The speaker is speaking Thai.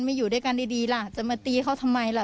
อยู่ด้วยกันดีล่ะจะมาตีเขาทำไมล่ะ